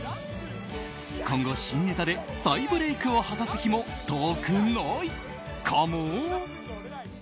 今後、新ネタで再ブレークを果たす日も遠くないかも？